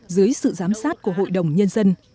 dưới sự giám sát của hội đồng nhân dân